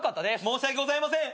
申し訳ございません。